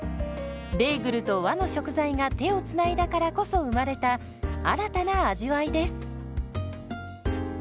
ベーグルと和の食材が手をつないだからこそ生まれた新たな味わいです。